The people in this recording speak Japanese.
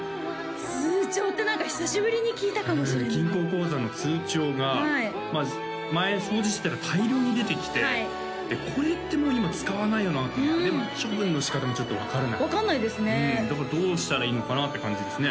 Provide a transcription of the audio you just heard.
通帳って何か久しぶりに聞いたかもしれない銀行口座の通帳が前掃除してたら大量に出てきてこれってもう今使わないよなとでも処分の仕方もちょっと分からない分かんないですねだからどうしたらいいのかなって感じですね